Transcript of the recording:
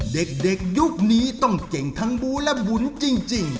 เด็กยูคนี้ต้องเจ๋งพิงจนดีทั้งบู๊และบุ๋นจริง